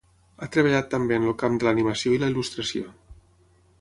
Ha treballat també en el camp de l'animació i la il·lustració.